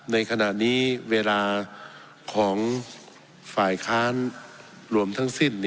ในขณะนี้เวลาของฝ่ายค้านรวมทั้งสิ้น